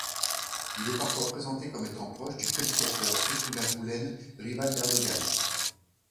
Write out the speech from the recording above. Il est parfois présenté comme étant proche du prédicateur Fethullah Gülen, rival d'Erdoğan.